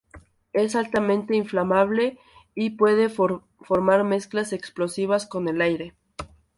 Es altamente inflamable y puede formar mezclas explosivas con el aire.